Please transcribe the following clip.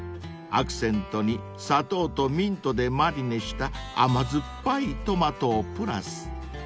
［アクセントに砂糖とミントでマリネした甘酸っぱいトマトをプラス］